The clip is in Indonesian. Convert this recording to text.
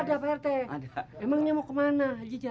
ada ada pak rt emangnya mau kemana hajija